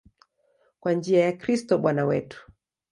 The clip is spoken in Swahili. Kwa njia ya Kristo Bwana wetu.